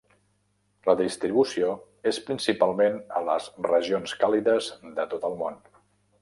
La distribució és principalment a les regions càlides de tot el món.